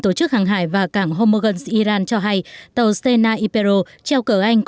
trước khi tàu trở dầu treo cửa anh